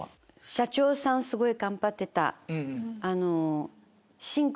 社長さんすごい頑張ってた。